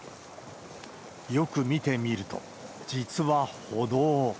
よく見てみると、実は歩道。